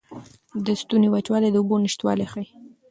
د ستوني وچوالی د اوبو نشتوالی ښيي.